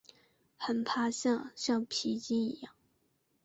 很怕像橡皮筋一样